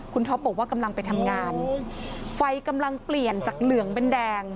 คุณท็อปบอกว่ากำลังไปทำงานไฟกำลังเปลี่ยนจากเหลืองเป็นแดง